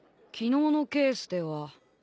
「昨日のケースでは」